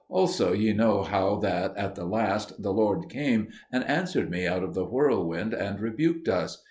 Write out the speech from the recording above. Also ye know how that at the last the Lord came and answered me out of the whirlwind, and rebuked us.